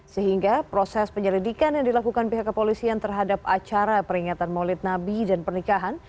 sehingga proses penyelidikan yang dilakukan pihak kepolisian terhadap acara peringatan maulid nabi dan pernikahan